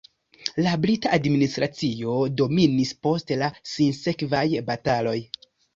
La brita administracio dominis post la sinsekvaj bataloj.